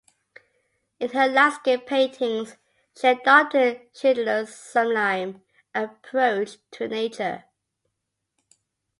In her landscape paintings she adopted Schindler's sublime approach to nature.